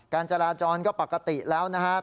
การจราจรก็ปกติแล้วนะครับ